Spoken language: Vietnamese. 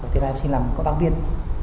thì em xin làm công tác viên